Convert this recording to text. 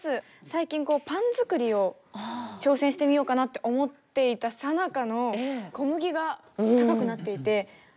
最近パン作りを挑戦してみようかなって思っていたさなかの小麦が高くなっていてあれ？